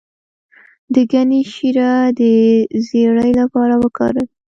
د ګني شیره د زیړي لپاره وکاروئ